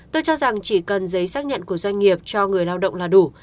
tôi cho rằng chỉ cần giấy xác nhận của doanh nghiệp cho người lao động là đủ